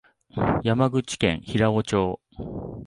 山口県平生町